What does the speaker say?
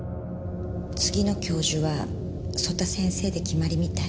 次の教授は曽田先生で決まりみたい。